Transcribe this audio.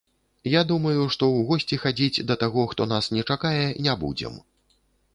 Я думаю, што ў госці хадзіць да таго, хто нас не чакае, не будзем.